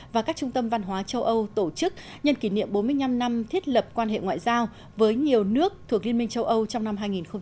và các trung tâm văn hóa châu âu tổ chức nhân kỷ niệm bốn mươi năm năm thiết lập quan hệ ngoại giao với nhiều nước thuộc liên minh châu âu trong năm hai nghìn hai mươi